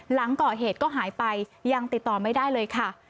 หลังก่อเหตุก็หายไปยังติดต่อไม่ได้เลยค่ะ